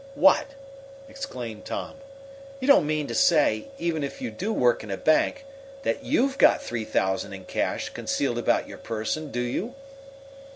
"What!" exclaimed Tom. "You don't mean to say, even if you do work in a bank, that you've got three thousand in cash concealed about your person, do you?"